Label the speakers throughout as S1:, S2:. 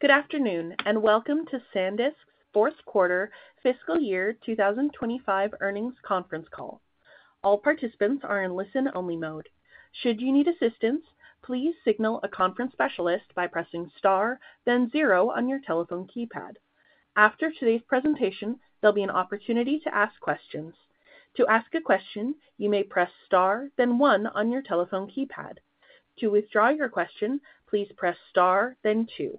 S1: Good afternoon and welcome to SanDisk's Fourth Quarter Fiscal Year 2025 Earnings Conference Call. All participants are in listen-only mode. Should you need assistance, please signal a conference specialist by pressing star, then zero on your telephone keypad. After today's presentation, there'll be an opportunity to ask questions. To ask a question, you may press star, then one on your telephone keypad. To withdraw your question, please press star, then two.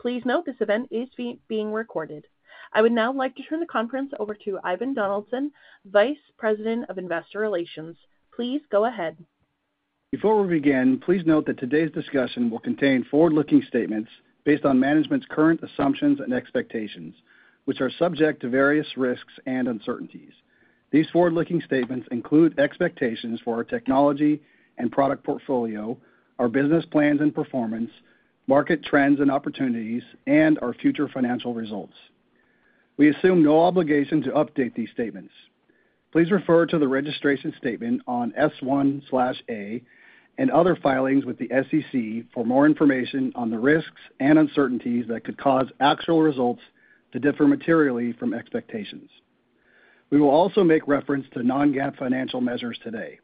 S1: Please note this event is being recorded. I would now like to turn the conference over to Ivan Donaldson, Vice President of Investor Relations. Please go ahead.
S2: Before we begin, please note that today's discussion will contain forward-looking statements based on management's current assumptions and expectations, which are subject to various risks and uncertainties. These forward-looking statements include expectations for our technology and product portfolio, our business plans and performance, market trends and opportunities, and our future financial results. We assume no obligation to update these statements. Please refer to the registration statement on S-1/A and other filings with the SEC for more information on the risks and uncertainties that could cause actual results to differ materially from expectations. We will also make reference to non-GAAP financial measures today.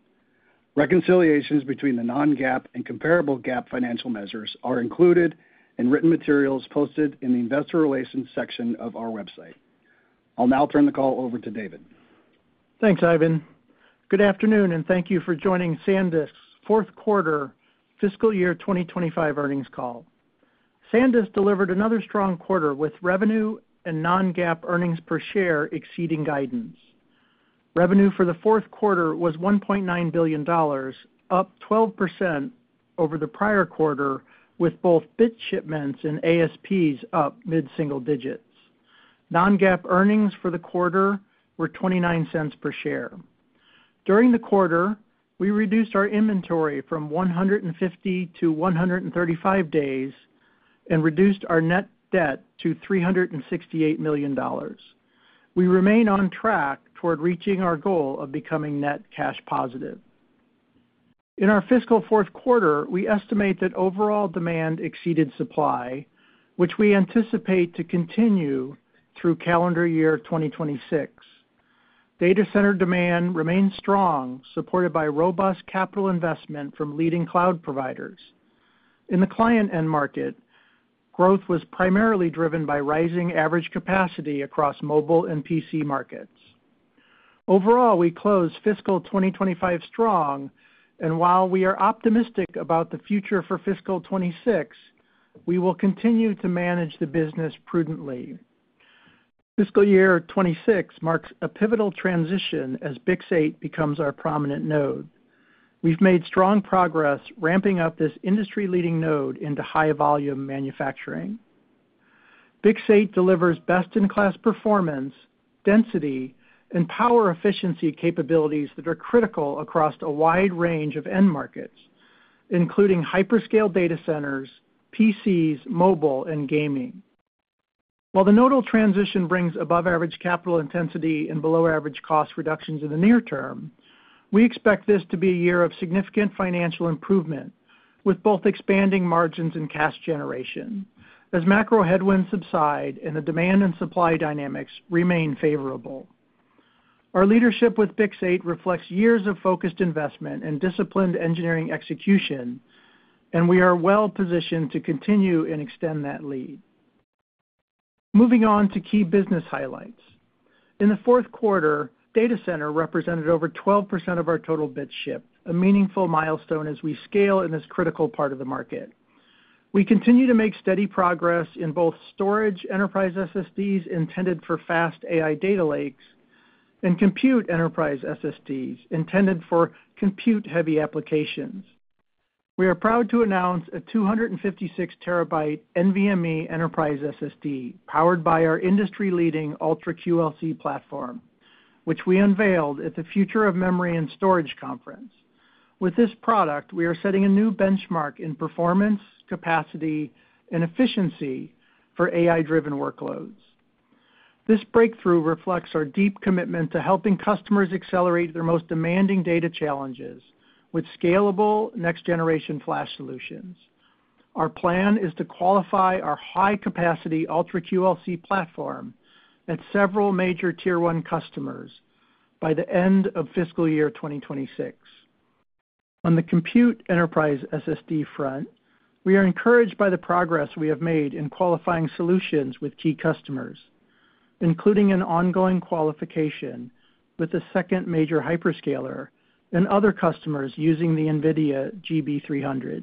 S2: Reconciliations between the non-GAAP and comparable GAAP financial measures are included in written materials posted in the Investor Relations section of our website. I'll now turn the call over to David.
S3: Thanks, Ivan. Good afternoon and thank you for joining SanDisk's Fourth Quarter Fiscal Year 2025 Earnings Call. SanDisk delivered another strong quarter with revenue and non-GAAP earnings per share exceeding guidance. Revenue for the fourth quarter was $1.9 billion, up 12% over the prior quarter, with both bit shipments and ASPs up mid-single digits. Non-GAAP earnings for the quarter were $0.29 per share. During the quarter, we reduced our inventory from 150-135 days and reduced our net debt to $368 million. We remain on track toward reaching our goal of becoming net cash positive. In our fiscal fourth quarter, we estimate that overall demand exceeded supply, which we anticipate to continue through calendar year 2026. Data center demand remains strong, supported by robust capital investment from leading cloud providers. In the client end market, growth was primarily driven by rising average capacity across mobile and PC markets. Overall, we close fiscal 2025 strong, and while we are optimistic about the future for fiscal 2026, we will continue to manage the business prudently. Fiscal year 2026 marks a pivotal transition BiCS 8 becomes our prominent node. We've made strong progress ramping up this industry-leading node into high-volume BiCS 8 delivers best-in-class performance, density, and power efficiency capabilities that are critical across a wide range of end markets, including hyperscale data centers, PCs, mobile, and gaming. While the nodal transition brings above-average capital intensity and below-average cost reductions in the near term, we expect this to be a year of significant financial improvement, with both expanding margins and cash generation, as macro headwinds subside and the demand and supply dynamics remain favorable. Our leadership BiCS 8 reflects years of focused investment and disciplined engineering execution, and we are well positioned to continue and extend that lead. Moving on to key business highlights. In the fourth quarter, data center represented over 12% of our total bit shipments, a meaningful milestone as we scale in this critical part of the market. We continue to make steady progress in both storage enterprise SSDs intended for fast AI data lakes and compute enterprise SSDs intended for compute-heavy applications. We are proud to announce a 256 TB NVMe enterprise SSD powered by our industry-leading Ultra QLC platform, which we unveiled at the Future of Memory and Storage conference. With this product, we are setting a new benchmark in performance, capacity, and efficiency for AI-driven workloads. This breakthrough reflects our deep commitment to helping customers accelerate their most demanding data challenges with scalable next-generation flash solutions. Our plan is to qualify our high-capacity Ultra QLC platform at several major Tier 1 customers by the end of fiscal year 2026. On the compute enterprise SSD front, we are encouraged by the progress we have made in qualifying solutions with key customers, including an ongoing qualification with the second major hyperscale cloud provider and other customers using the NVIDIA GB300.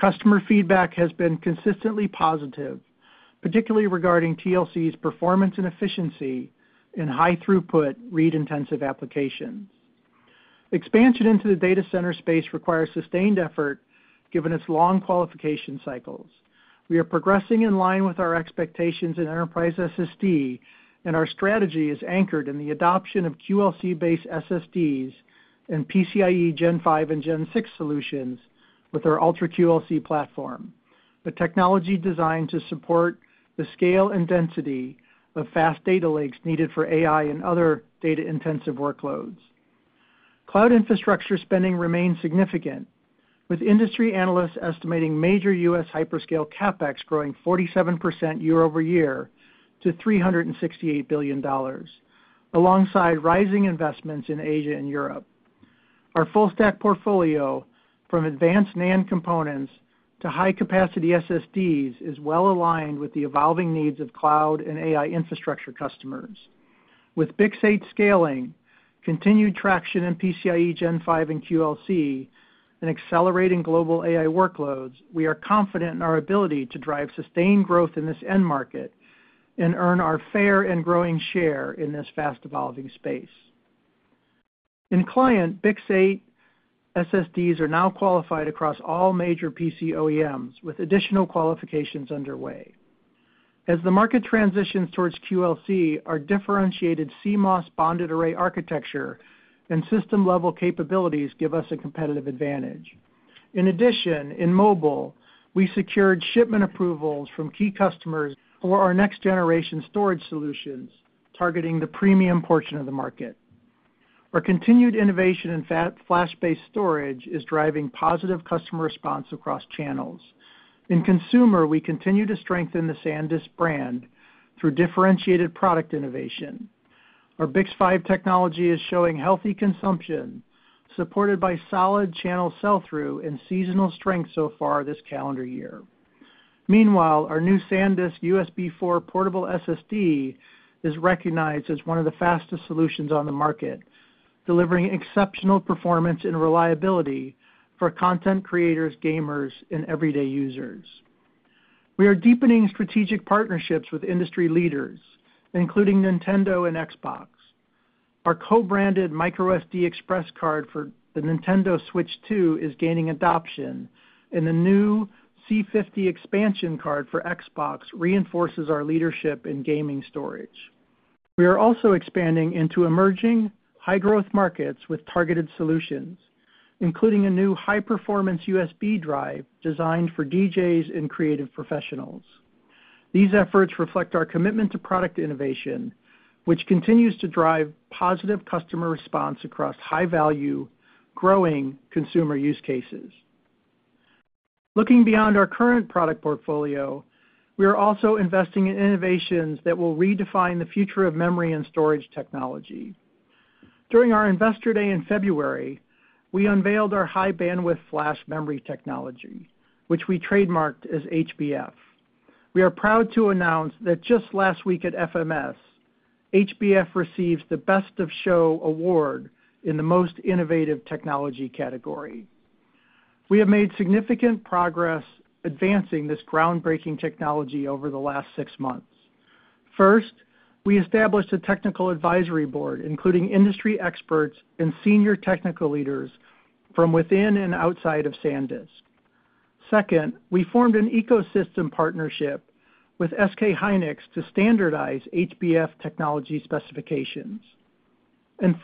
S3: Customer feedback has been consistently positive, particularly regarding TLC's performance and efficiency in high-throughput read-intensive applications. Expansion into the data center space requires sustained effort, given its long qualification cycles. We are progressing in line with our expectations in enterprise SSD, and our strategy is anchored in the adoption of QLC-based SSDs and PCIe Gen 5 and Gen 6 solutions with our Ultra QLC platform, the technology designed to support the scale and density of fast data lakes needed for AI and other data-intensive workloads. Cloud infrastructure spending remains significant, with industry analysts estimating major U.S. hyperscale CapEx growing 47% year-over-year to $368 billion, alongside rising investments in Asia and Europe. Our full-stack portfolio, from advanced NAND components to high-capacity SSDs, is well-aligned with the evolving needs of cloud and AI infrastructure customers. BiCS 8 scaling, continued traction in PCIe Gen 5 and QLC, and accelerating global AI workloads, we are confident in our ability to drive sustained growth in this end market and earn our fair and growing share in this fast-evolving space. In BiCS 8 ssds are now qualified across all major PC OEMs, with additional qualifications underway. As the market transitions towards QLC, our differentiated CMOS bonded array architecture and system-level capabilities give us a competitive advantage. In addition, in mobile, we secured shipment approvals from key customers for our next-generation storage solutions, targeting the premium portion of the market. Our continued innovation in flash-based storage is driving positive customer response across channels. In consumer, we continue to strengthen the SanDisk brand through differentiated product innovation. Our BiCS 8 node technology is showing healthy consumption, supported by solid channel sell-through and seasonal strength so far this calendar year. Meanwhile, our new SanDisk USB4 portable SSD is recognized as one of the fastest solutions on the market, delivering exceptional performance and reliability for content creators, gamers, and everyday users. We are deepening strategic partnerships with industry leaders, including Nintendo and Xbox. Our co-branded SanDisk Creator microSD Express card for the Nintendo Switch 2 is gaining adoption, and the new C50 expansion card for Xbox reinforces our leadership in gaming storage. We are also expanding into emerging high-growth markets with targeted solutions, including a new high-performance USB drive designed for DJs and creative professionals. These efforts reflect our commitment to product innovation, which continues to drive positive customer response across high-value, growing consumer use cases. Looking beyond our current product portfolio, we are also investing in innovations that will redefine the future of memory and storage technology. During our Investor Day in February, we unveiled our high-bandwidth flash memory technology, which we trademarked as HBF. We are proud to announce that just last week at FMS, HBF received the Best of Show award in the Most Innovative Technology category. We have made significant progress advancing this groundbreaking technology over the last six months. First, we established a technical advisory board, including industry experts and senior technical leaders from within and outside of SanDisk. Second, we formed an ecosystem partnership with SK hynix to standardize HBF technology specifications.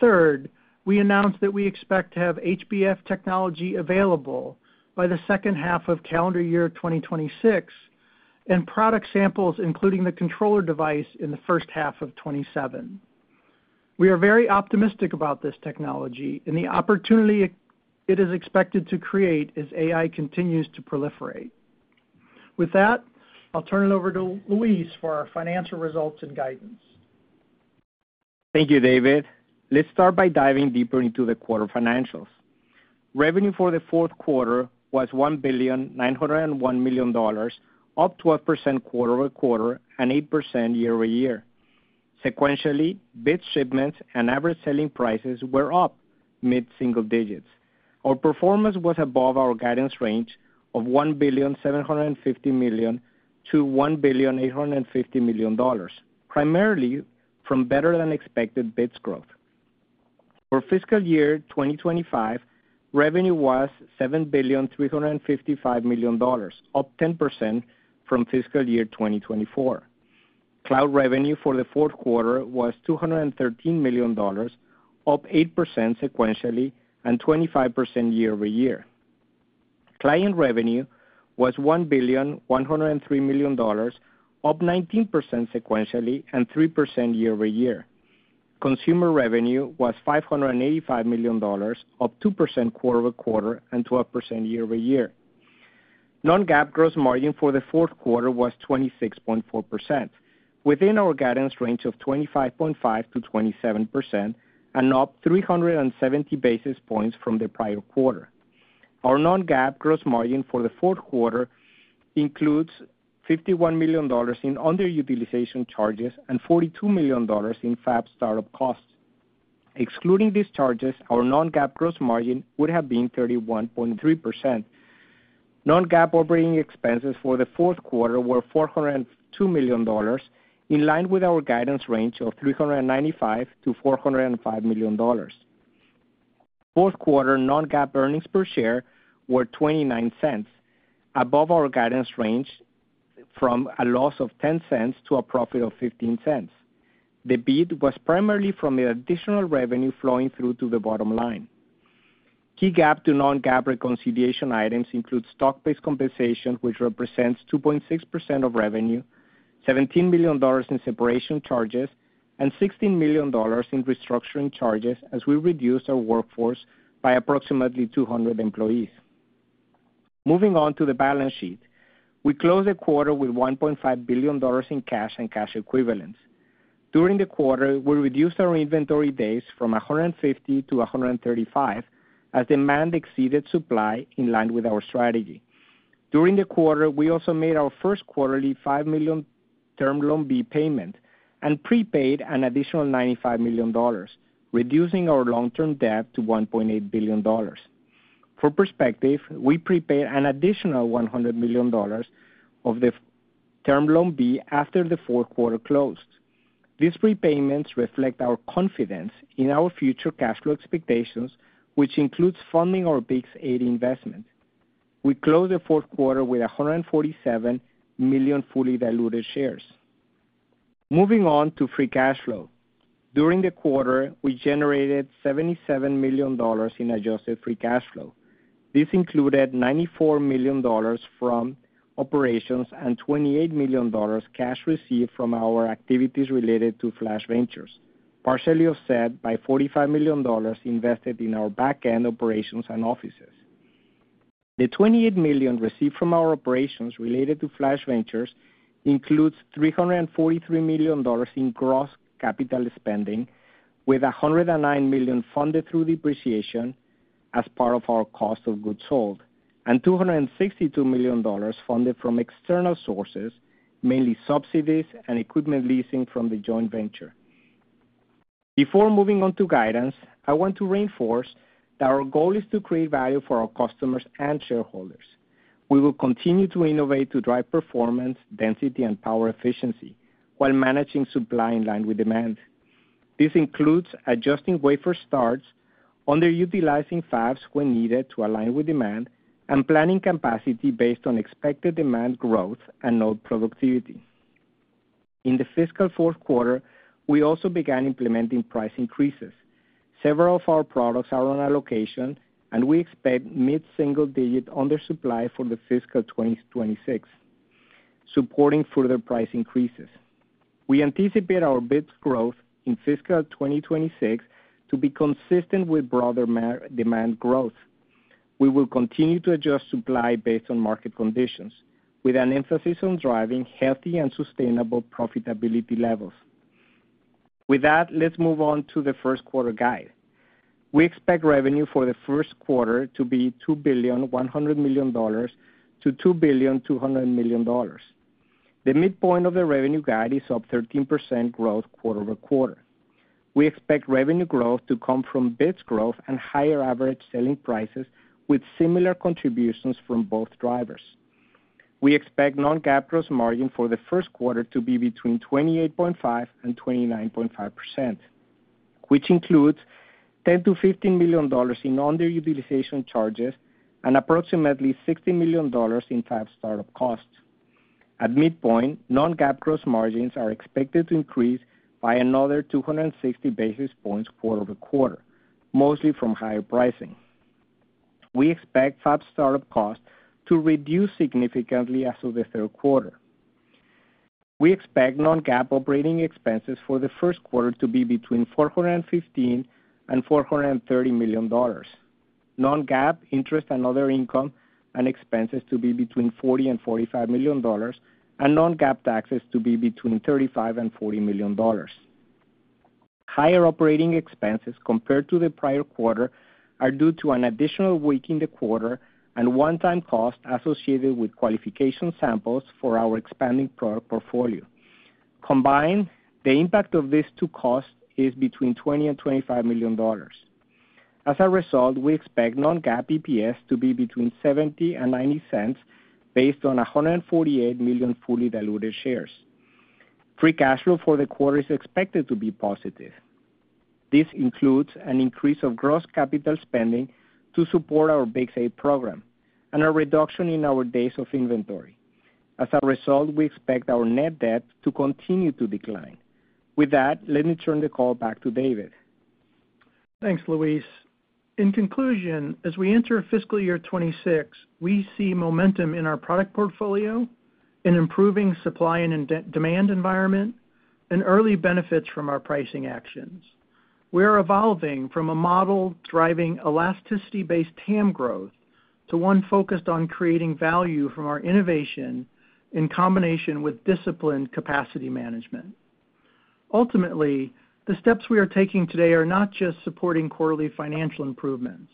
S3: Third, we announced that we expect to have HBF technology available by the second half of calendar year 2026 and product samples, including the controller device, in the first half of 2027. We are very optimistic about this technology and the opportunity it is expected to create as AI continues to proliferate. With that, I'll turn it over to Luis for our financial results and guidance.
S4: Thank you, David. Let's start by diving deeper into the quarter financials. Revenue for the fourth quarter was $1,901,000,000, up 12% quarter-over-quarter and 8% year-over-year. Sequentially, bit shipments and average selling prices were up mid-single digits. Our performance was above our guidance range of $1,750,000,000-$1,850,000,000, primarily from better-than-expected bit shipments growth. For fiscal year 2025, revenue was $7,355,000,000, up 10% from fiscal year 2024. Cloud revenue for the fourth quarter was $213 million, up 8% sequentially and 25% year-over-year. Client revenue was $1,103,000,000, up 19% sequentially and 3% year-over-year. Consumer revenue was $585 million, up 2% quarter-over-quarter and 12% year-over-year. Non-GAAP gross margin for the fourth quarter was 26.4%, within our guidance range of 25.5%-27% and up 370 basis points from the prior quarter. Our non-GAAP gross margin for the fourth quarter includes $51 million in underutilization charges and $42 million in fab startup costs. Excluding these charges, our non-GAAP gross margin would have been 31.3%. Non-GAAP operating expenses for the fourth quarter were $402 million, in line with our guidance range of $395 million-$405 million. Fourth quarter non-GAAP earnings per share were $0.29, above our guidance range from a loss of $0.10 to a profit of $0.15. The beat was primarily from the additional revenue flowing through to the bottom line. Key GAAP to non-GAAP reconciliation items include stock-based compensation, which represents 2.6% of revenue, $17 million in separation charges, and $16 million in restructuring charges, as we reduced our workforce by approximately 200 employees. Moving on to the balance sheet, we closed the quarter with $1.5 billion in cash and cash equivalents. During the quarter, we reduced our inventory days from 150-135, as demand exceeded supply in line with our strategy. During the quarter, we also made our first quarterly $5 million Term Loan B payment and prepaid an additional $95 million, reducing our long-term debt to $1.8 billion. For perspective, we prepaid an additional $100 million of the Term Loan B after the fourth quarter closed. These prepayments reflect our confidence in our future cash flow expectations, which includes funding our BiCS 8 investment. We closed the fourth quarter with 147 million fully diluted shares. Moving on to free cash flow. During the quarter, we generated $77 million in adjusted free cash flow. This included $94 million from operations and $28 million cash received from our activities related to Flash Ventures, partially offset by $45 million invested in our backend operations and offices. The $28 million received from our operations related to Flash Ventures includes $343 million in gross capital spending, with $109 million funded through depreciation as part of our cost of goods sold and $262 million funded from external sources, mainly subsidies and equipment leasing from the joint venture. Before moving on to guidance, I want to reinforce that our goal is to create value for our customers and shareholders. We will continue to innovate to drive performance, density, and power efficiency while managing supply in line with demand. This includes adjusting wafer starts, underutilizing fabs when needed to align with demand, and planning capacity based on expected demand growth and node productivity. In the fiscal fourth quarter, we also began implementing price increases. Several of our products are on allocation, and we expect mid-single-digit undersupply for the fiscal 2026, supporting further price increases. We anticipate our bit shipments growth in fiscal 2026 to be consistent with broader demand growth. We will continue to adjust supply based on market conditions, with an emphasis on driving healthy and sustainable profitability levels. With that, let's move on to the first quarter guide. We expect revenue for the first quarter to be $2,100,000,000-$2,200,000,000. The midpoint of the revenue guide is up 13% growth quarter-over-quarter. We expect revenue growth to come from bit shipments growth and higher average selling prices, with similar contributions from both drivers. We expect non-GAAP gross margin for the first quarter to be between 28.5% and 29.5%, which includes $10 million-$15 million in underutilization charges and approximately $60 million in fab startup costs. At midpoint, non-GAAP gross margins are expected to increase by another 260 basis points quarter-over-quarter, mostly from higher pricing. We expect fab startup costs to reduce significantly as of the third quarter. We expect non-GAAP operating expenses for the first quarter to be between $415 million and $430 million. Non-GAAP interest and other income and expenses to be between $40 million and $45 million, and non-GAAP taxes to be between $35 million and $40 million. Higher operating expenses compared to the prior quarter are due to an additional week in the quarter and one-time cost associated with qualification samples for our expanding product portfolio. Combined, the impact of these two costs is between $20 million and $25 million. As a result, we expect non-GAAP EPS to be between $0.70 and $0.90 based on 148 million fully diluted shares. Free cash flow for the quarter is expected to be positive. This includes an increase of gross capital spending to support our BiCS 8 program and a reduction in our inventory days. As a result, we expect our net debt to continue to decline. With that, let me turn the call back to David.
S3: Thanks, Luis. In conclusion, as we enter fiscal year 2026, we see momentum in our product portfolio, an improving supply and demand environment, and early benefits from our pricing actions. We are evolving from a model driving elasticity-based TAM growth to one focused on creating value from our innovation in combination with disciplined capacity management. Ultimately, the steps we are taking today are not just supporting quarterly financial improvements.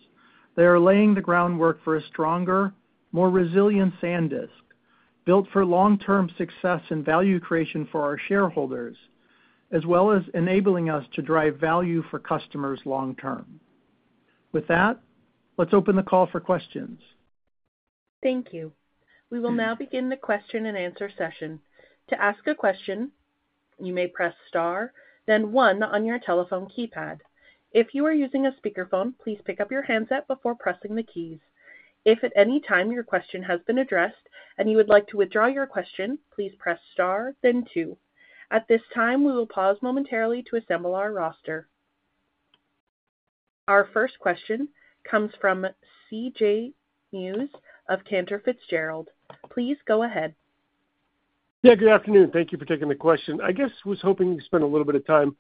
S3: They are laying the groundwork for a stronger, more resilient SanDisk, built for long-term success and value creation for our shareholders, as well as enabling us to drive value for customers long term. With that, let's open the call for questions.
S1: Thank you. We will now begin the question-and-answer session. To ask a question, you may press star, then one on your telephone keypad. If you are using a speakerphone, please pick up your handset before pressing the keys. If at any time your question has been addressed and you would like to withdraw your question, please press star, then two. At this time, we will pause momentarily to assemble our roster. Our first question comes from CJ Muse of Cantor Fitzgerald. Please go ahead.
S5: Yeah, good afternoon. Thank you for taking the question. I guess I was hoping you could spend a little bit of time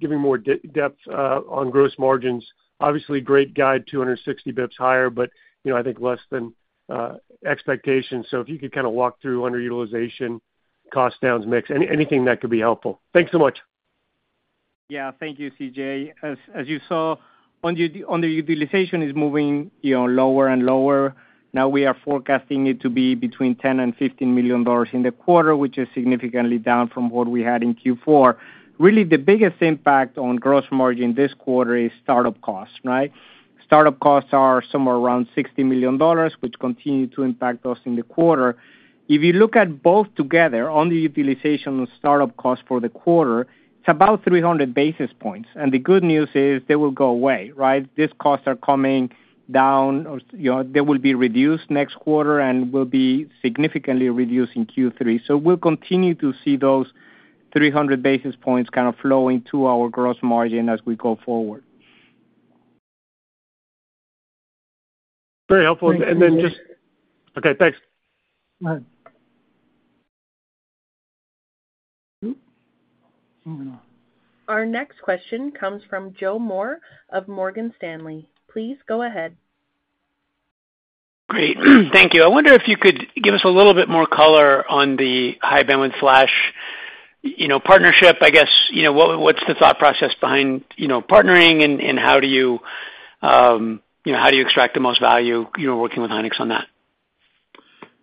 S5: giving more depth on gross margins. Obviously, great guide, 260 basic points higher, but I think less than expectations. If you could kind of walk-through underutilization, cost downs, mix, anything that could be helpful. Thanks so much.
S4: Yeah, thank you, CJ. As you saw, underutilization is moving lower and lower. Now we are forecasting it to be between $10 million and $15 million in the quarter, which is significantly down from what we had in Q4. Really, the biggest impact on gross margin this quarter is startup costs, right? Startup costs are somewhere around $60 million, which continues to impact us in the quarter. If you look at both together, underutilization and startup costs for the quarter, it's about 300 basis points. The good news is they will go away, right? These costs are coming down. They will be reduced next quarter and will be significantly reduced in Q3. We'll continue to see those 300 basis points kind of flow into our gross margin as we go forward.
S5: Very helpful. Thanks.
S1: Our next question comes from Joe Moore of Morgan Stanley. Please go ahead.
S6: Great, thank you. I wonder if you could give us a little bit more color on the high-bandwidth flash partnership. I guess, you know, what's the thought process behind partnering and how do you extract the most value working with SK hynix on that?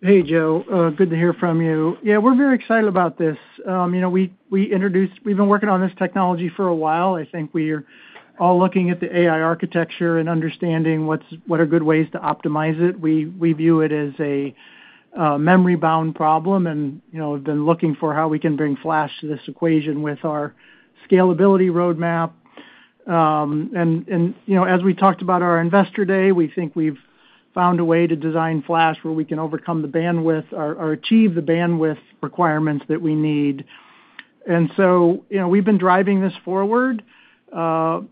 S3: Hey, Joe. Good to hear from you. Yeah, we're very excited about this. We've been working on this technology for a while. I think we are all looking at the AI architecture and understanding what are good ways to optimize it. We view it as a memory-bound problem. We've been looking for how we can bring flash to this equation with our scalability roadmap. As we talked about at our Investor Day, we think we've found a way to design flash where we can overcome the bandwidth or achieve the bandwidth requirements that we need. We've been driving this forward. What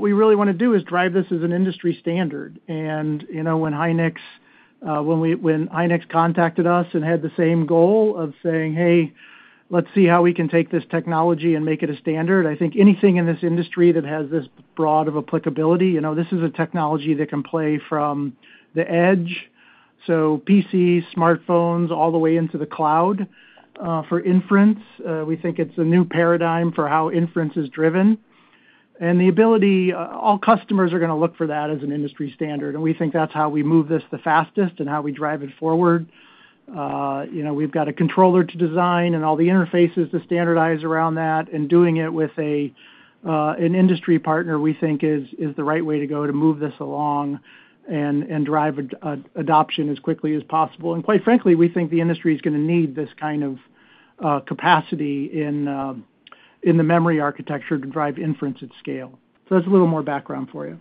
S3: we really want to do is drive this as an industry standard. When SK hynix contacted us and had the same goal of saying, hey, let's see how we can take this technology and make it a standard, I think anything in this industry that has this broad of applicability, you know, this is a technology that can play from the edge, so PCs, smartphones, all the way into the cloud for inference. We think it's a new paradigm for how inference is driven. The ability, all customers are going to look for that as an industry standard. We think that's how we move this the fastest and how we drive it forward. We've got a controller to design and all the interfaces to standardize around that. Doing it with an industry partner, we think, is the right way to go to move this along and drive adoption as quickly as possible. Quite frankly, we think the industry is going to need this kind of capacity in the memory architecture to drive inference at scale. That's a little more background for you.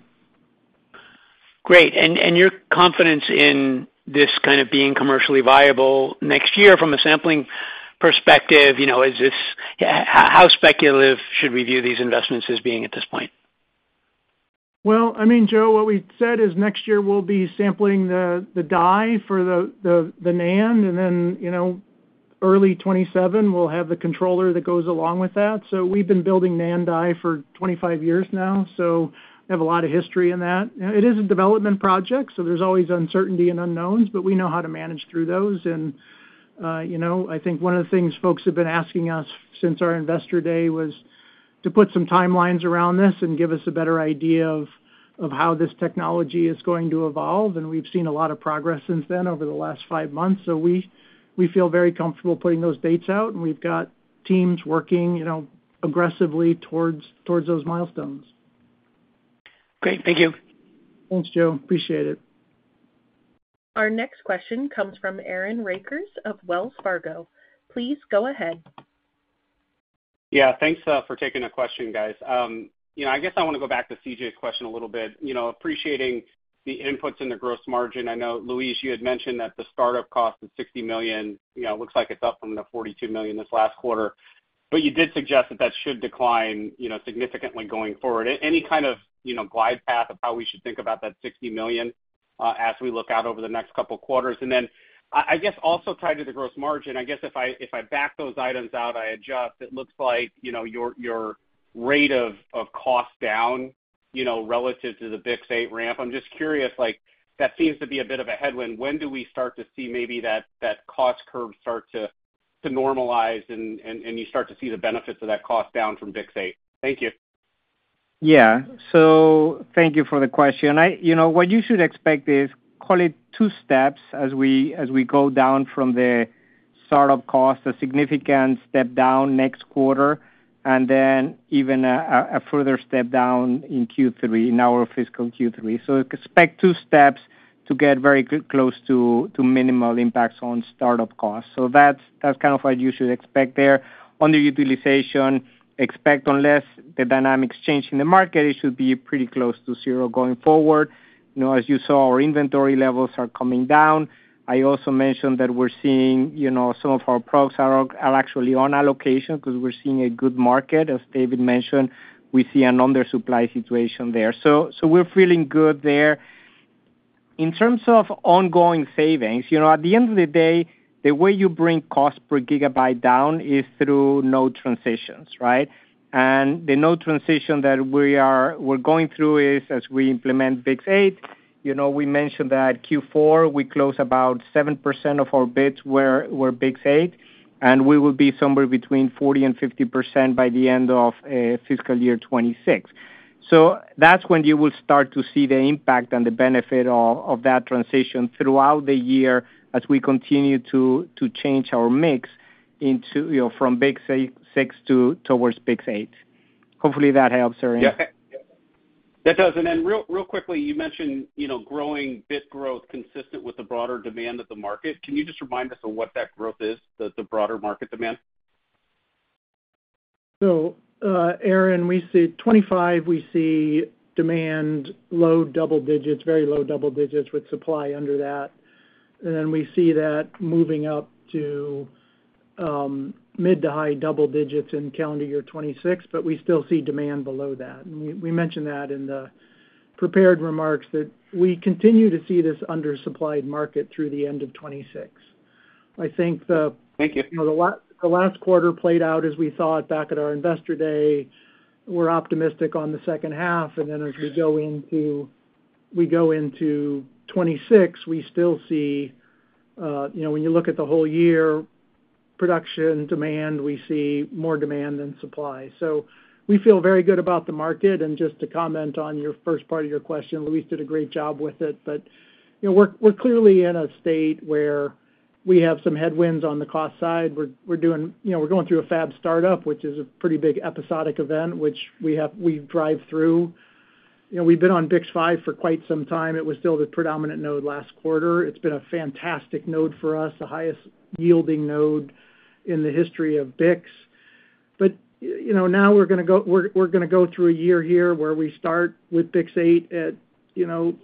S6: Great. Your confidence in this kind of being commercially viable next year from a sampling perspective, how speculative should we view these investments as being at this point?
S3: I mean, Joe, what we said is next year we'll be sampling the die for the NAND, and then early 2027, we'll have the controller that goes along with that. We've been building NAND die for 25 years now, so we have a lot of history in that. It is a development project, so there's always uncertainty and unknowns, but we know how to manage through those. I think one of the things folks have been asking us since our Investor Day was to put some timelines around this and give us a better idea of how this technology is going to evolve. We've seen a lot of progress since then over the last five months, so we feel very comfortable putting those dates out, and we've got teams working aggressively towards those milestones.
S6: Great, thank you.
S3: Thanks, Joe. Appreciate it.
S1: Our next question comes from Aaron Rakers of Wells Fargo. Please go ahead.
S7: Yeah, thanks for taking the question, guys. I guess I want to go back to CJ's question a little bit, appreciating the inputs in the gross margin. I know, Luis, you had mentioned that the startup cost of $60 million looks like it's up from the $42 million this last quarter. You did suggest that that should decline significantly going forward. Any kind of glide path of how we should think about that $60 million as we look out over the next couple of quarters? Also tied to the gross margin, if I back those items out, I adjust, it looks like your rate of cost down relative to the BiCS 8ramp. I'm just curious, that seems to be a bit of a headwind. When do we start to see maybe that cost curve start to normalize and you start to see the benefits of that cost down from BiCS 8? Thank you.
S4: Yeah, thank you for the question. What you should expect is, call it two steps as we go down from the startup cost, a significant step down next quarter, and then even a further step down in Q3, in our fiscal Q3. Expect two steps to get very close to minimal impacts on startup costs. That's kind of what you should expect there. Underutilization, expect unless the dynamics change in the market, it should be pretty close to zero going forward. As you saw, our inventory levels are coming down. I also mentioned that we're seeing some of our products are actually on allocation because we're seeing a good market. As David mentioned, we see an undersupply situation there. We're feeling good there. In terms of ongoing savings, at the end of the day, the way you bring cost per gigabyte down is through node transitions, right? The node transition that we're going through is as we implement BiCS 8. We mentioned that in Q4, we closed about 7% of our bit shipments were BiCS 8. We will be somewhere between 40% and 50% by the end of fiscal year 2026. That's when you will start to see the impact and the benefit of that transition throughout the year as we continue to change our mix from BiCS 8 6 towards BiCS 8. Hopefully, that helps, Aaron.
S7: Yeah, that does. Real quickly, you mentioned growing bit growth consistent with the broader demand of the market. Can you just remind us of what that growth is, the broader market demand?
S3: Aaron, we see 2025, we see demand low double digits, very low double digits with supply under that. We see that moving up to mid to high double digits in calendar year 2026, but we still see demand below that. We mentioned in the prepared remarks that we continue to see this undersupplied market through the end of 2026. I think the last quarter played out as we saw it back at our Investor Day. We're optimistic on the second half. As we go into 2026, we still see, when you look at the whole year, production demand, we see more demand than supply. We feel very good about the market. Just to comment on your first part of your question, Luis did a great job with it. We're clearly in a state where we have some headwinds on the cost side. We're going through a fab startup, which is a pretty big episodic event, which we drive through. We've been on BiCS 5 for quite some time. It was still the predominant node last quarter. It's been a fantastic node for us, the highest yielding node in the history of BiCS. Now we're going to go through a year here where we start with BiCS 8 at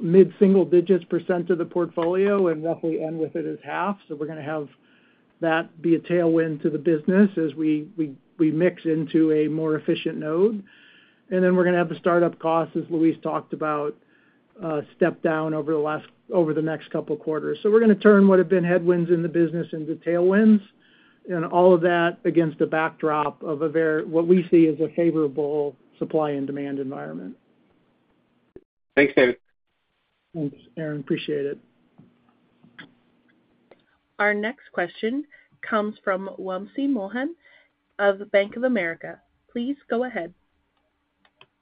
S3: mid-single digits % of the portfolio and roughly end with it as half. We're going to have that be a tailwind to the business as we mix into a more efficient node. We're going to have the startup costs, as Luis talked about, step down over the next couple of quarters. We're going to turn what have been headwinds in the business into tailwinds, and all of that against the backdrop of what we see as a favorable supply and demand environment.
S7: Thanks, David.
S3: Thanks, Aaron. Appreciate it.
S1: Our next question comes from Wamsi Mohan of Bank of America. Please go ahead.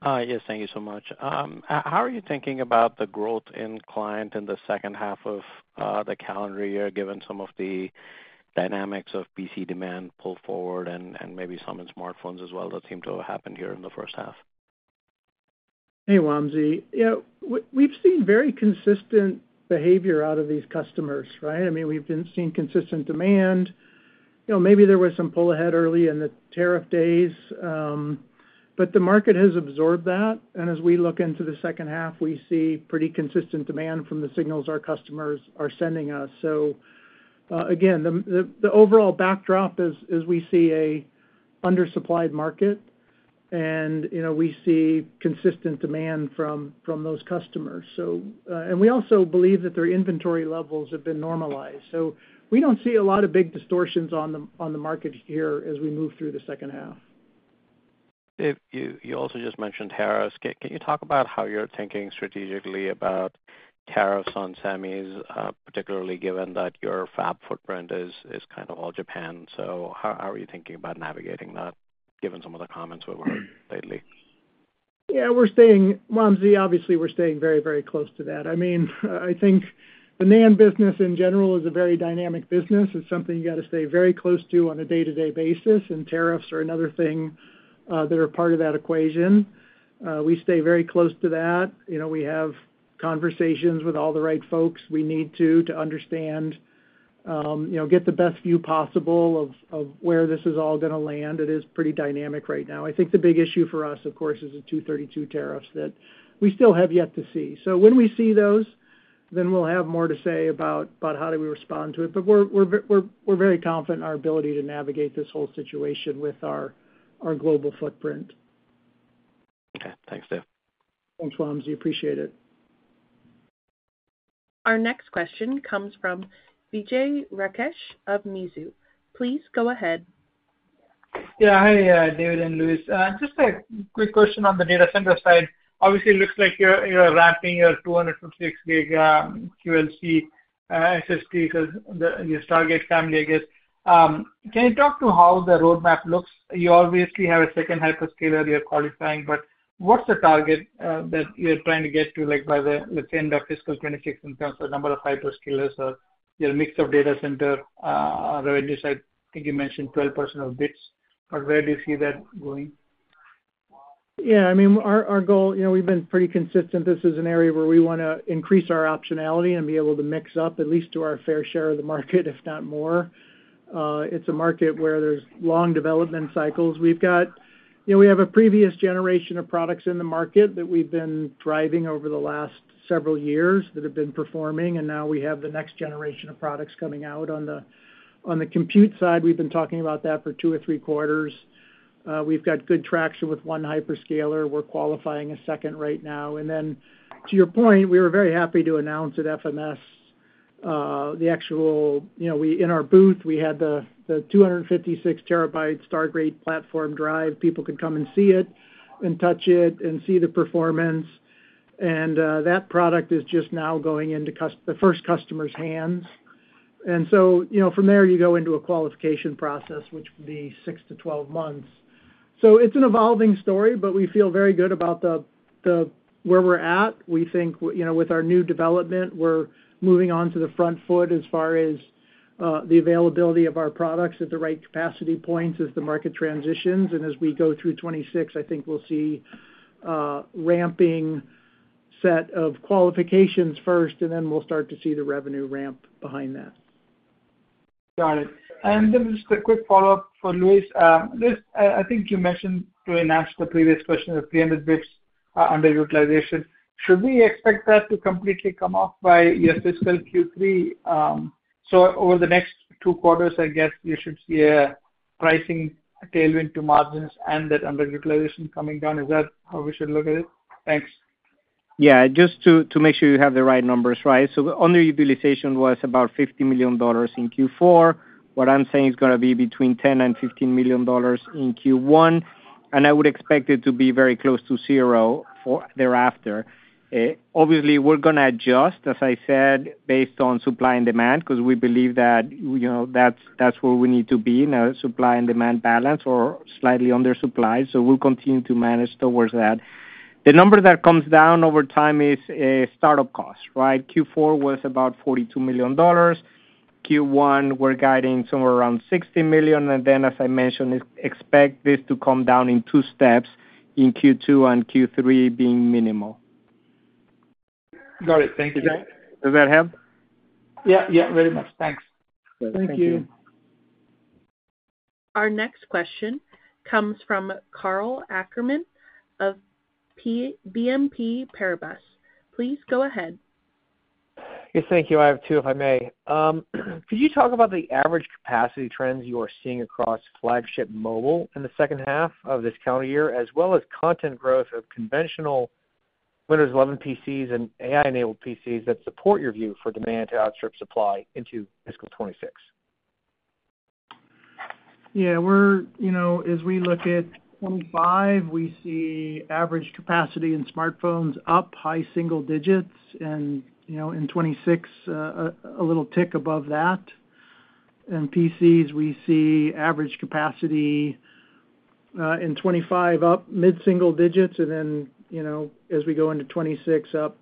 S8: Yes, thank you so much. How are you thinking about the growth in client in the second half of the calendar year, given some of the dynamics of PC demand pulled forward and maybe some in smartphones as well that seem to have happened here in the first half?
S3: Hey, Wamsi. Yeah, we've seen very consistent behavior out of these customers, right? I mean, we've been seeing consistent demand. Maybe there was some pull ahead early in the tariff days, but the market has absorbed that. As we look into the second half, we see pretty consistent demand from the signals our customers are sending us. The overall backdrop is we see an undersupplied market, and we see consistent demand from those customers. We also believe that their inventory levels have been normalized. We don't see a lot of big distortions on the market here as we move through the second half.
S8: You also just mentioned tariffs. Can you talk about how you're thinking strategically about tariffs on semis, particularly given that your fab footprint is kind of all Japan? How are you thinking about navigating that, given some of the comments we've heard lately?
S3: Yeah, we're staying, obviously, we're staying very, very close to that. I mean, I think the NAND business in general is a very dynamic business. It's something you've got to stay very close to on a day-to-day basis. Tariffs are another thing that are part of that equation. We stay very close to that. We have conversations with all the right folks we need to to understand, get the best view possible of where this is all going to land. It is pretty dynamic right now. I think the big issue for us, of course, is the 232 tariffs that we still have yet to see. When we see those, we'll have more to say about how do we respond to it. We're very confident in our ability to navigate this whole situation with our global footprint.
S8: OK, thanks, Dave.
S3: Thanks, Wamsi. Appreciate it.
S1: Our next question comes from Vijay Rakesh of Mizuho. Please go ahead.
S9: Yeah, hi, David and Luis. Just a quick question on the data center side. Obviously, it looks like you're ramping your 256 TB QLC SSD because your target family, I guess. Can you talk to how the roadmap looks? You obviously have a second hyperscaler you're qualifying. What's the target that you're trying to get to by the end of fiscal 2026 in terms of the number of hyperscalers or your mix of data center revenues? I think you mentioned 12% of bits. How do you see that going?
S3: Yeah, I mean, our goal, you know, we've been pretty consistent. This is an area where we want to increase our optionality and be able to mix up at least to our fair share of the market, if not more. It's a market where there's long development cycles. We've got, you know, we have a previous generation of products in the market that we've been driving over the last several years that have been performing. Now we have the next generation of products coming out on the compute side. We've been talking about that for two or three quarters. We've got good traction with one hyperscaler. We're qualifying a second right now. To your point, we were very happy to announce at FMS the actual, you know, in our booth, we had the 256 TB Stargate platform drive. People could come and see it and touch it and see the performance. That product is just now going into the first customer's hands. From there, you go into a qualification process, which would be six to 12 months. It's an evolving story. We feel very good about where we're at. We think, you know, with our new development, we're moving on to the front foot as far as the availability of our products at the right capacity points as the market transitions. As we go through 2026, I think we'll see a ramping set of qualifications first. We'll start to see the revenue ramp behind that.
S9: Got it. Just a quick follow-up for Luis. I think you mentioned to enhance the previous question of 300 bits underutilization. Should we expect that to completely come off by your fiscal Q3? Over the next two quarters, I guess you should see a pricing tailwind to margins and that underutilization coming down. Is that how we should look at it? Thanks.
S4: Yeah, just to make sure you have the right numbers, right? Underutilization was about $50 million in Q4. What I'm saying is going to be between $10 million and $15 million in Q1. I would expect it to be very close to zero thereafter. Obviously, we're going to adjust, as I said, based on supply and demand because we believe that, you know, that's where we need to be in a supply and demand balance or slightly undersupplied. We'll continue to manage towards that. The number that comes down over time is startup costs, right? Q4 was about $42 million. Q1, we're guiding somewhere around $60 million. As I mentioned, expect this to come down in two steps, in Q2 and Q3, being minimal.
S9: Got it. Thank you, Dave.
S4: Does that help?
S9: Yeah, very much. Thanks.
S1: Thank you. Our next question comes from Karl Ackerman of BNP Paribas. Please go ahead.
S10: Yes, thank you. I have two, if I may. Could you talk about the average capacity trends you are seeing across flagship mobile in the second half of this calendar year, as well as content growth of conventional Windows 11 PCs and AI-enabled PCs that support your view for demand to outstrip supply into fiscal 2026?
S3: Yeah, as we look at 2025, we see average capacity in smartphones up high single digits. In 2026, a little tick above that. PCs, we see average capacity in 2025 up mid-single digits. As we go into 2026, up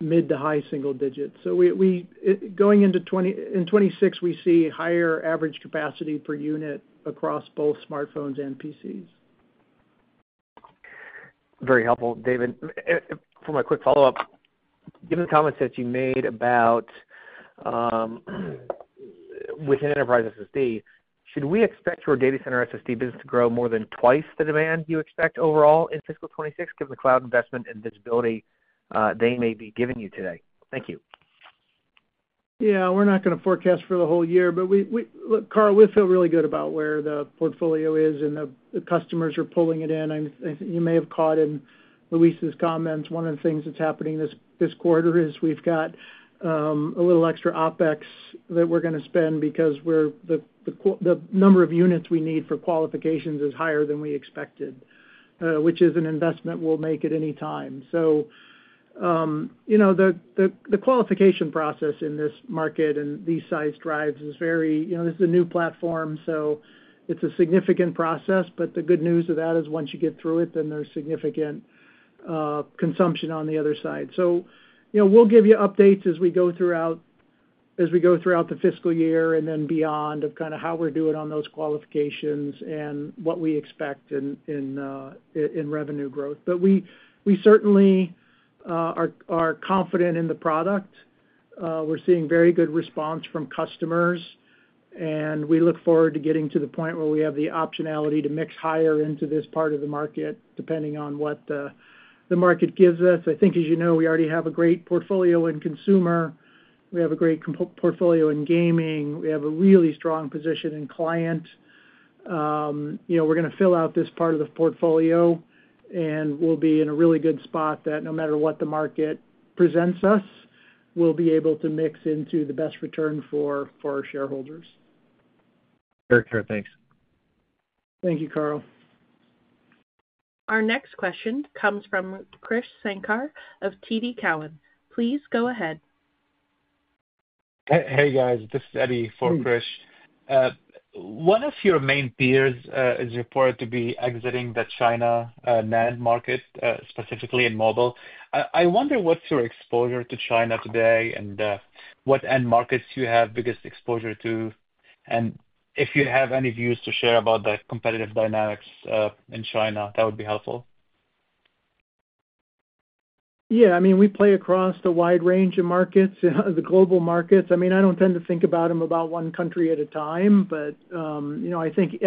S3: mid to high single digits. We going into 2026, we see higher average capacity per unit across both smartphones and PCs.
S10: Very helpful, David. For my quick follow-up, given the comments that you made about within enterprise SSD, should we expect your data center SSD business to grow more than twice the demand you expect overall in fiscal 2026, given the cloud investment and visibility they may be giving you today? Thank you.
S3: Yeah, we're not going to forecast for the whole year. Karl, we feel really good about where the portfolio is and the customers are pulling it in. I think you may have caught in Luis's comments, one of the things that's happening this quarter is we've got a little extra OpEx that we're going to spend because the number of units we need for qualifications is higher than we expected, which is an investment we'll make at any time. The qualification process in this market and these size drives is very, you know, this is a new platform. It's a significant process. The good news of that is once you get through it, then there's significant consumption on the other side. We'll give you updates as we go throughout the fiscal year and then beyond of kind of how we're doing on those qualifications and what we expect in revenue growth. We certainly are confident in the product. We're seeing very good response from customers. We look forward to getting to the point where we have the optionality to mix higher into this part of the market, depending on what the market gives us. I think, as you know, we already have a great portfolio in consumer. We have a great portfolio in gaming. We have a really strong position in client. We're going to fill out this part of the portfolio. We'll be in a really good spot that no matter what the market presents us, we'll be able to mix into the best return for our shareholders.
S10: Very clear. Thanks.
S3: `Thank you, Karl.
S1: Our next question comes from Krish Sankar of TD Cowen. Please go ahead. Hey, guys. This is Eddie for Krish. One of your main peers is reported to be exiting the China NAND market, specifically in mobile. I wonder what's your exposure to China today and what end markets you have biggest exposure to. If you have any views to share about the competitive dynamics in China, that would be helpful.
S3: Yeah, I mean, we play across the wide range of markets, the global markets. I don't tend to think about them about one country at a time. You know, I think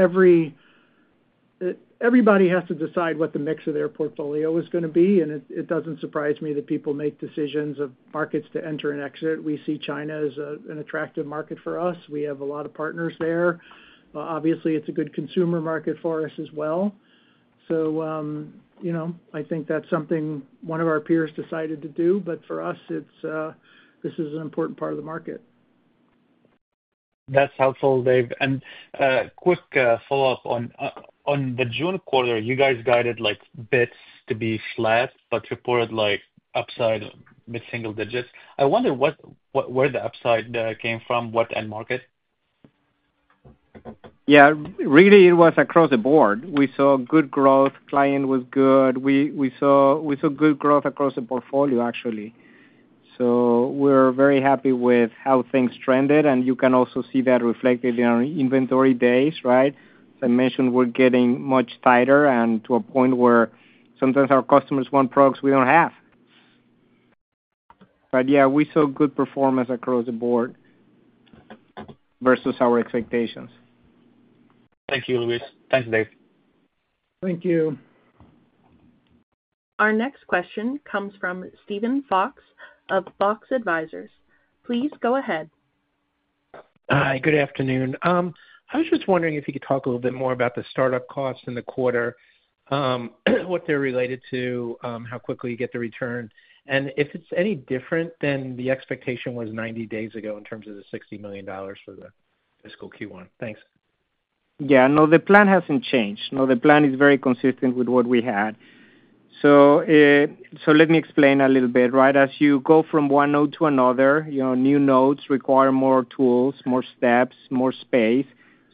S3: everybody has to decide what the mix of their portfolio is going to be. It doesn't surprise me that people make decisions of markets to enter and exit. We see China as an attractive market for us. We have a lot of partners there. Obviously, it's a good consumer market for us as well. I think that's something one of our peers decided to do. For us, this is an important part of the market. That's helpful, Dave. A quick follow-up on the June quarter, you guys guided bits to be flat but reported upside mid-single digits. I wonder where the upside came from, what end market?
S4: Yeah, really, it was across the board. We saw good growth. Client was good. We saw good growth across the portfolio, actually. We are very happy with how things trended. You can also see that reflected in our inventory days, right? As I mentioned, we're getting much tighter and to a point where sometimes our customers want products we don't have. We saw good performance across the board versus our expectations. Thank you, Luis. Thank you, Dave.
S3: Thank you.
S1: Our next question comes from Stephen Fox of Fox Advisors. Please go ahead.
S11: Hi, good afternoon. I was just wondering if you could talk a little bit more about the startup costs in the quarter, what they're related to, how quickly you get the return, and if it's any different than the expectation was 90 days ago in terms of the $60 million for the fiscal Q1. Thanks.
S4: Yeah, no, the plan hasn't changed. No, the plan is very consistent with what we had. Let me explain a little bit, right? As you go from one node to another, you know, new nodes require more tools, more steps, more space.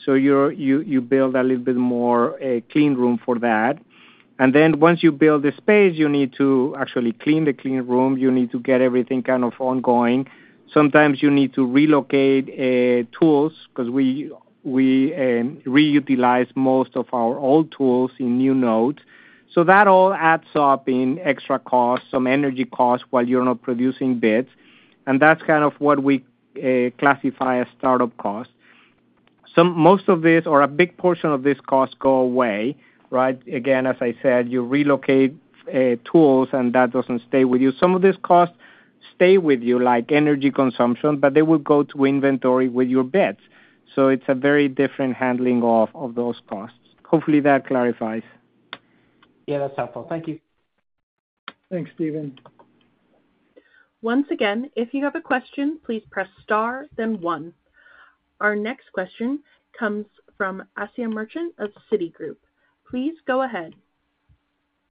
S4: You build a little bit more clean room for that. Once you build the space, you need to actually clean the clean room. You need to get everything kind of ongoing. Sometimes you need to relocate tools because we reutilize most of our old tools in new nodes. That all adds up in extra costs, some energy costs while you're not producing bits. That's kind of what we classify as startup costs. Most of this or a big portion of this cost goes away, right? Again, as I said, you relocate tools and that doesn't stay with you. Some of these costs stay with you, like energy consumption, but they will go to inventory with your bits. It's a very different handling of those costs. Hopefully, that clarifies.
S11: Yeah, that's helpful. Thank you.
S3: Thanks, Stephen.
S1: Once again, if you have a question, please press star, then one. Our next question comes from Asiya Merchant of Citigroup. Please go ahead.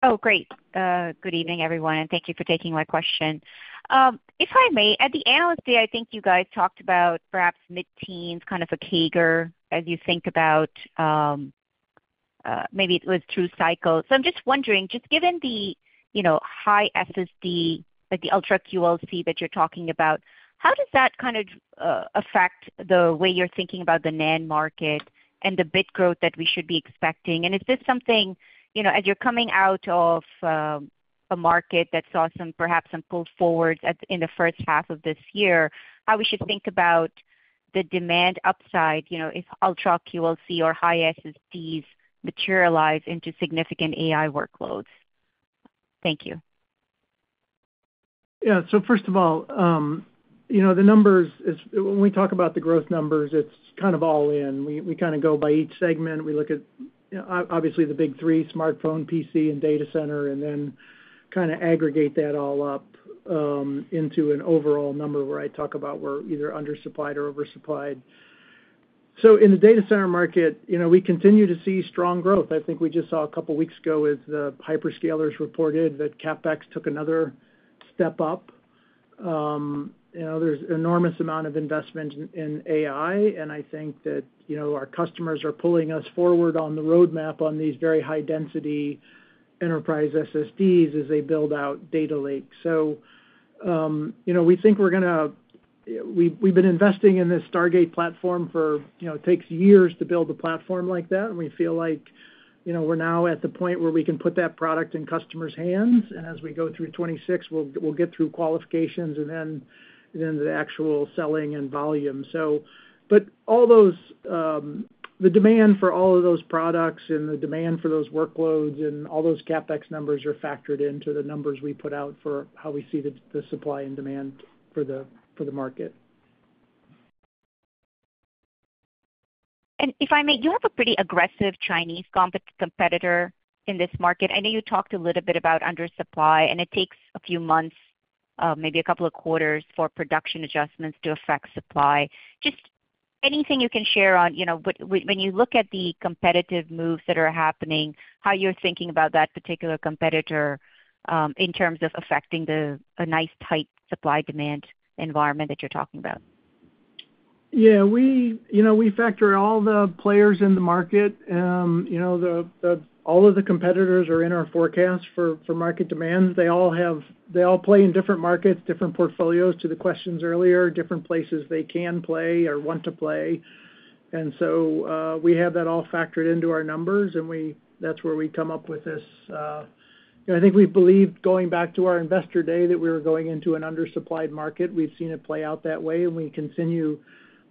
S12: Oh, great. Good evening, everyone. Thank you for taking my question. If I may, at the analyst day, I think you guys talked about perhaps mid-teens, kind of a CAGR as you think about maybe it was through cycles. I'm just wondering, given the high SSD, like the Ultra QLC that you're talking about, how does that affect the way you're thinking about the NAND market and the bit growth that we should be expecting? Is this something, as you're coming out of a market that saw some perhaps some pull forwards in the first half of this year, how we should think about the demand upside, if Ultra QLC or high SSDs materialize into significant AI workloads? Thank you.
S3: Yeah, so first of all, you know, the numbers, when we talk about the growth numbers, it's kind of all in. We kind of go by each segment. We look at, obviously, the big three, smartphone, PC, and data center, and then kind of aggregate that all up into an overall number where I talk about we're either undersupplied or oversupplied. In the data center market, you know, we continue to see strong growth. I think we just saw a couple of weeks ago with the hyperscalers reported that CapEx took another step up. There's an enormous amount of investment in AI. I think that, you know, our customers are pulling us forward on the roadmap on these very high-density enterprise SSDs as they build out data lakes. We think we're going to, we've been investing in this Stargate platform for, you know, it takes years to build a platform like that. We feel like, you know, we're now at the point where we can put that product in customers' hands. As we go through 2026, we'll get through qualifications and then the actual selling and volume. All those, the demand for all of those products and the demand for those workloads and all those CapEx numbers are factored into the numbers we put out for how we see the supply and demand for the market.
S12: If I may, you have a pretty aggressive Chinese competitor in this market. I know you talked a little bit about undersupply. It takes a few months, maybe a couple of quarters for production adjustments to affect supply. Is there anything you can share on, when you look at the competitive moves that are happening, how you're thinking about that particular competitor in terms of affecting a nice tight supply-demand environment that you're talking about?
S3: Yeah, we factor all the players in the market. All of the competitors are in our forecast for market demand. They all have, they all play in different markets, different portfolios to the questions earlier, different places they can play or want to play. We have that all factored into our numbers, and that's where we come up with this. I think we've believed, going back to our Investor Day, that we were going into an undersupplied market. We've seen it play out that way, and we continue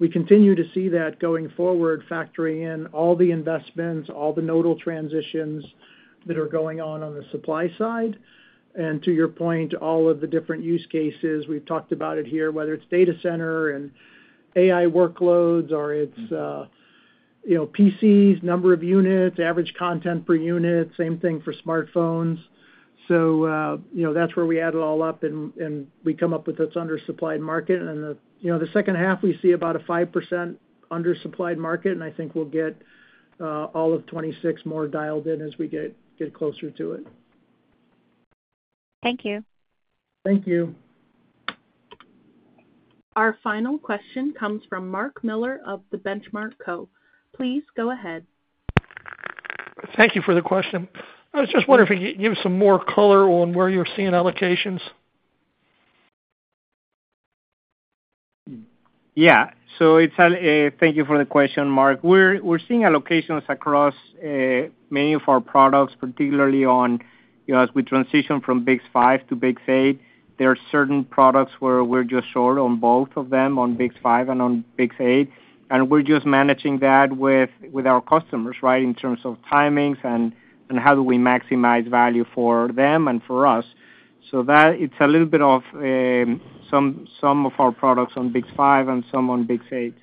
S3: to see that going forward, factoring in all the investments, all the nodal transitions that are going on on the supply side. To your point, all of the different use cases, we've talked about it here, whether it's data center and AI workloads, or it's PCs, number of units, average content per unit, same thing for smartphones. That's where we add it all up, and we come up with its undersupplied market. In the second half, we see about a 5% undersupplied market. I think we'll get all of 2026 more dialed in as we get closer to it.
S12: Thank you.
S3: Thank you.
S1: Our final question comes from Mark Miller of The Benchmark Co. Please go ahead.
S13: Thank you for the question. I was just wondering if you could give some more color on where you're seeing allocations.
S4: Yeah, thank you for the question, Mark. We're seeing allocations across many of our products, particularly as we transition from BiCS 5 node to BiCS 8 node, there are certain products where we're just short on both of them, on BiCS 5 node and on BiCS 8 node. We're just managing that with our customers in terms of timings and how do we maximize value for them and for us. It's a little bit of some of our products on BiCS 8 node and some on BiCS 8 node.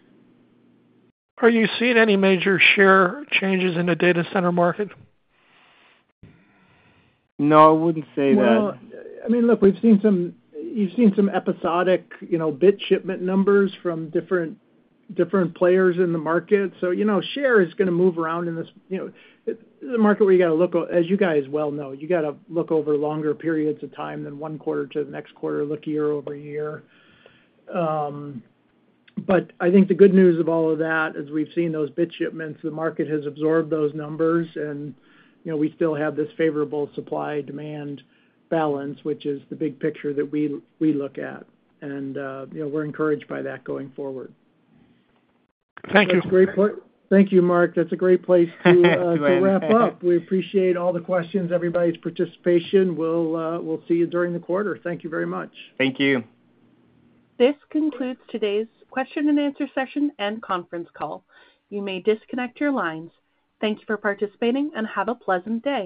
S13: Are you seeing any major share changes in the data center market?
S4: No, I wouldn't say that.
S3: I mean, look, we've seen some, you've seen some episodic, you know, bit shipment numbers from different players in the market. Share is going to move around in this market where you got to look over, as you guys well know, you got to look over longer periods of time than one quarter to the next quarter, look year-over-year. I think the good news of all of that is we've seen those bit shipments. The market has absorbed those numbers, and we still have this favorable supply-demand balance, which is the big picture that we look at. We're encouraged by that going forward.
S13: Thank you.
S3: That's great. Thank you, Mark. That's a great place to wrap up. We appreciate all the questions, everybody's participation. We'll see you during the quarter. Thank you very much. Thank you.
S1: This concludes today's question and answer session and conference call. You may disconnect your lines. Thank you for participating and have a pleasant day.